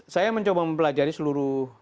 saya mencoba mempelajari seluruh